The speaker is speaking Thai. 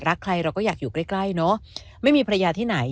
รักใครเราก็อยากอยู่ใกล้ใกล้เนอะไม่มีภรรยาที่ไหน